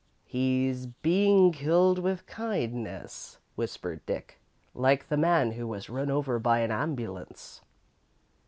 "He's being killed with kindness," whispered Dick, "like the man who was run over by an ambulance."